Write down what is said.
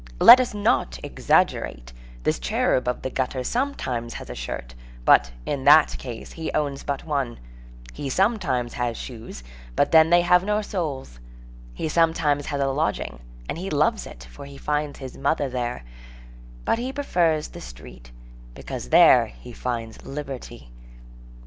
Let us not exaggerate, this cherub of the gutter sometimes has a shirt, but, in that case, he owns but one; he sometimes has shoes, but then they have no soles; he sometimes has a lodging, and he loves it, for he finds his mother there; but he prefers the street, because there he finds liberty.